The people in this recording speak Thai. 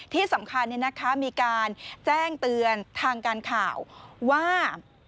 ที่สำคัญมีการแจ้งเตือนทางการข่าวว่า